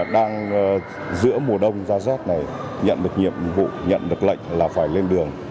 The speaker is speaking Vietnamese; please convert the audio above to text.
đang giữa mùa đông ra rét này nhận được nhiệm vụ nhận được lệnh là phải lên đường